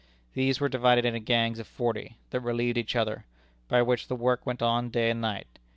These were divided into gangs of forty, that relieved each other, by which the work went on day and night.